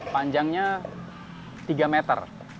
panjangnya tiga meter